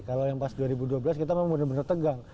kalau yang pas dua ribu dua belas kita memang benar benar tegang